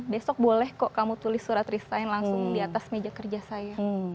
besok boleh kok kamu tulis surat resign langsung di atas meja kerja saya